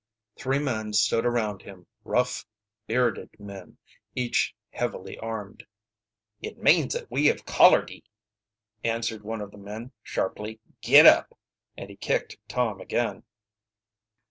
Three men stood around him rough bearded men, each heavily armed. "It means thet we have collared ye!" answered one of the men sharply. "Git up!" And he kicked Tom again.